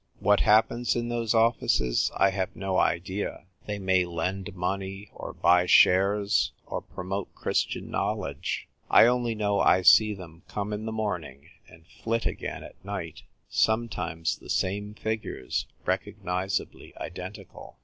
What happens in those offices I have no idea : they may lend money, or buy shares, or promote Christian know ledge. I only know I see them come in the morning and flit again at night, sometimes the same figures, recognisably identical.